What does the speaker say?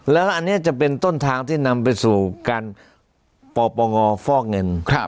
แล้วอันนี้จะเป็นต้นทางที่นำไปสู่การปปงฟอกเงิน